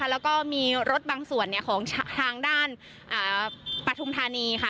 แล้วก็มีรถบางส่วนของทางด้านปฐุมธานีค่ะ